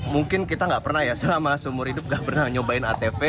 mungkin kita nggak pernah ya selama seumur hidup gak pernah nyobain atp